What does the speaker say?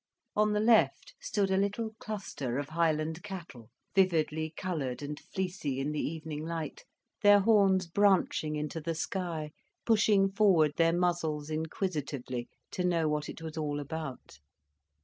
On the left stood a little cluster of Highland cattle, vividly coloured and fleecy in the evening light, their horns branching into the sky, pushing forward their muzzles inquisitively, to know what it was all about.